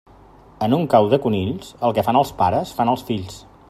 En un cau de conills, el que fan els pares fan els fills.